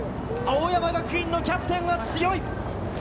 青山学院のキャプテンは強い。